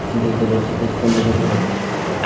বিকালে ওর সাথে ফোনে কথা হয়।